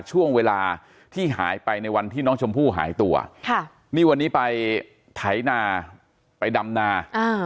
ช่วงเวลาที่หายไปในวันที่น้องชมพู่หายตัวค่ะนี่วันนี้ไปไถนาไปดำนา